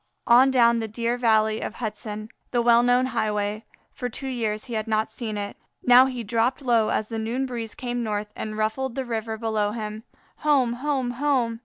On down the dear valley of Hudson, the well known highway; for two years he had not seen it! Now he dropped low as the noon breeze came north and ruffled the river below him. Home! home! home!